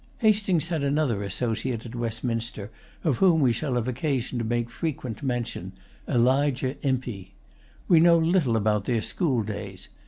Hastings had another associate at Westminster of whom we shall have occasion to make frequent mention, Elijah Impey. We know little about their school days.